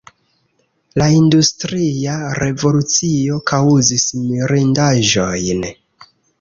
La industria revolucio kaŭzis mirindaĵojn.